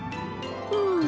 うん！